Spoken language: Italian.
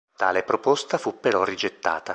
Tale proposta fu però rigettata.